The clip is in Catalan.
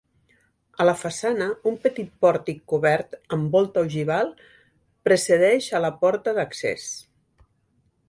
A la façana un petit pòrtic cobert amb volta ogival precedeix a la porta d'accés.